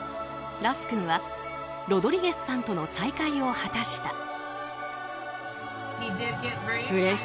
ラス君はロドリゲスさんとの再会を果たした。